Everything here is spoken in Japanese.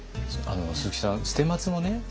鈴木さん捨松もね